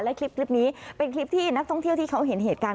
และคลิปนี้เป็นคลิปที่นักท่องเที่ยวที่เขาเห็นเหตุการณ์